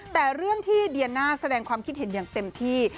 แต่เรื่องที่เดียน่าแสดงความคิดเห็นอย่างเต็มที่